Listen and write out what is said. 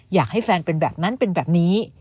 อยากให้แฟนเป็นแบบนั้นเป็นแบบนี้